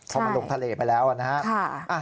พอมันลงทะเลไปแล้วนะครับ